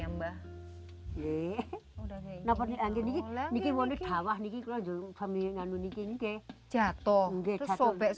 mbah fasya mau nyari apa mau nyari gamis mau gak